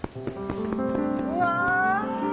うわ！